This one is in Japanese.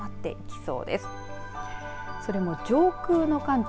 それも上空の寒気